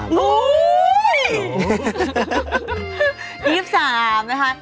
๒๓นะคะ